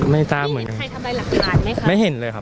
ไม่ทราบเหมือนกันใครทำลายหลักฐานไหมคะไม่เห็นเลยครับ